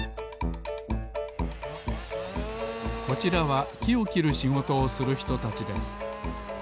こちらはきをきるしごとをするひとたちです。